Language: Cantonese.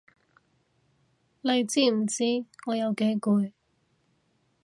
你知唔知我有幾攰？